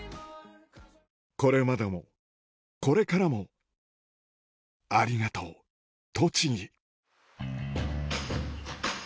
これまでもこれからもありがとう栃木